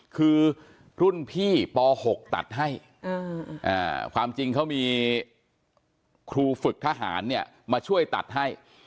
คือรุ่นพี่ป๖ตัดให้ความจริงเขามีครูฝึกทหารเนี่ยมาช่วยตัดให้